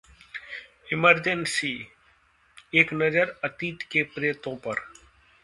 emergency: एक नजर अतीत के प्रेतों पर